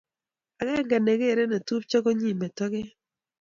akenge nekere netupcho konyeme toget